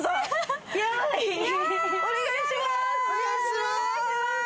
お願いします